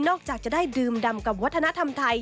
จากจะได้ดื่มดำกับวัฒนธรรมไทย